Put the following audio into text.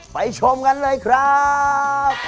ชมกันเลยครับ